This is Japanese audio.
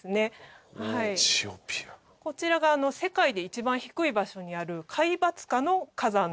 こちらが世界で一番低い場所にある海抜下の火山の火口になります。